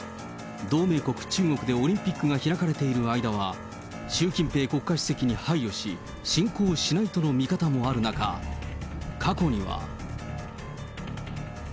同盟国、中国でオリンピックが開かれている間は、習近平国家主席に配慮し、侵攻しないとの見方もある中、過去には。